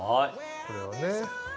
これをね。